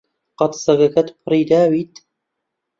قەت سەگەکەت پڕی داویت؟